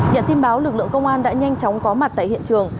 nhận tin báo lực lượng công an đã nhanh chóng có mặt tại hiện trường